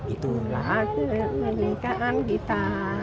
itulah adik kemerdekaan kita